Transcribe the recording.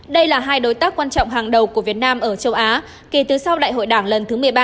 đây là hai đối tác quan trọng hàng đầu của việt nam ở châu á kể từ sau đại hội đảng lần thứ một mươi ba